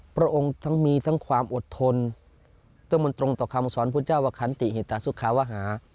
พระองค์ทั้งมีทั้งความอดทนซึ่งมันตรงต่อคำสอนพระเจ้าวคันติหิตาสุขาวหา